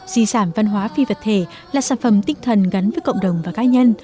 di sản văn hóa phi vật thể là sản phẩm tinh thần gắn với cộng đồng và cá nhân